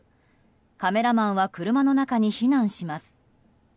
カメラマンは車の中に避難します。